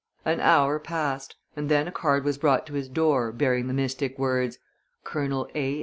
An hour passed and then a card was brought to his door bearing the mystic words: COLONEL A.